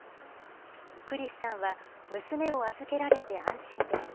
クリスさんは、娘を預けられて安心です。